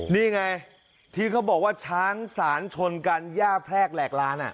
นี่ไงที่เขาบอกว่าช้างสารชนกันย่าแพรกแหลกล้าน